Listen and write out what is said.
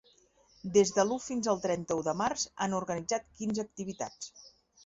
Des de l’u fins al trenta-u de març han organitzat quinze activitats.